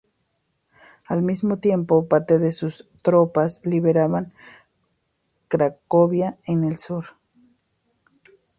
Al mismo tiempo, parte de sus tropas liberaban Cracovia en el sur.